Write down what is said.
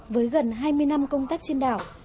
với gần hai mươi năm công tác trên đảo